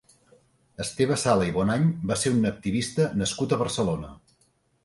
Esteve Sala i Bonany va ser un activista nascut a Barcelona.